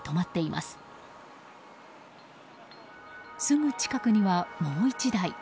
すぐ近くには、もう１台。